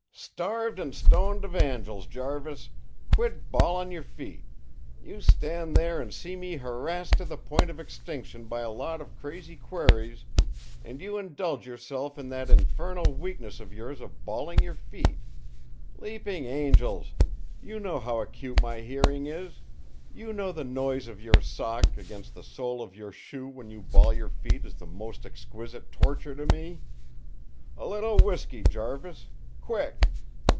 "Starved and stoned evangels, Jarvis! Quit balling your feet! You stand there and see me harassed to the point of extinction by a lot of crazy queries, and you indulge yourself in that infernal weakness of yours of balling your feet! Leaping angels! You know how acute my hearing is; you know the noise of your sock against the sole of your shoe when you ball your feet is the most exquisite torture to me! A little whiskey, Jarvis! Quick!"